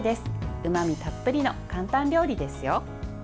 うまみたっぷりの簡単料理ですよ。